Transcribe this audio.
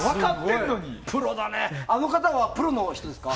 あの方はプロの方ですか？